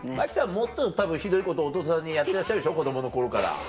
もっとたぶんひどいこと弟さんにやってらっしゃるでしょ子供の頃から。